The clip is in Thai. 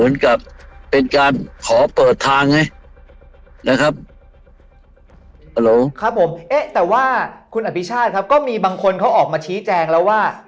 นะครับครับผมเอ๊ะแต่ว่าคุณครับก็มีบางคนเขาออกมาชี้แจงแล้วว่า